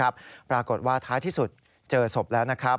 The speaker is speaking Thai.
ปรากฏว่าท้ายที่สุดเจอศพแล้ว